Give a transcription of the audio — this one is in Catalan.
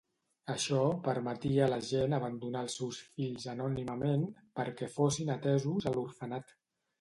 Això permetia a la gent abandonar els seus fills anònimament, perquè fossin atesos a l'orfenat.